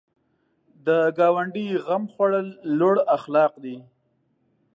د ګاونډي غم خوړل لوړ اخلاق دي